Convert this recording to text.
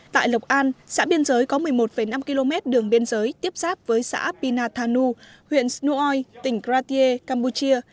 tại lộc an xã biên giới có một mươi một năm km đường biên giới tiếp sáp với xã pinatanu huyện snuoy tỉnh gratier campuchia